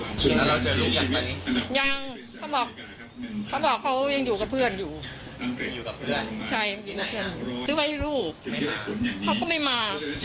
คุณแล้วเจอลูกอยู่หรือเปล่านี้ยัง